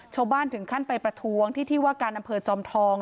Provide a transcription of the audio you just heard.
ชาวบ้านถึงขั้นไปประท้วงที่ที่ว่าการอำเภอจอมทอง